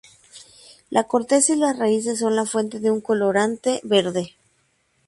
La corteza y las raíces son la fuente de un colorante verde.